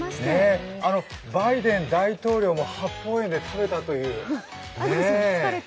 バイデン大統領も八芳園で食べたという。